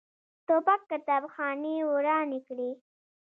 توپک کتابخانې ورانې کړي.